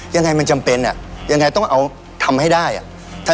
ยังไงมันจำเป็นอ่ะยังไงต้องเอาทำให้ได้อ่ะ